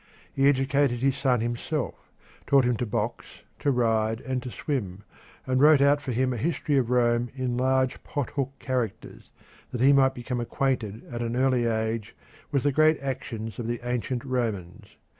He educated his son himself, taught him to box, to ride, and to swim, and wrote out for him a history of Rome in large pothook characters, that he might become acquainted at an early age with the great actions of the ancient Romans.